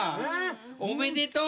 おめでとう。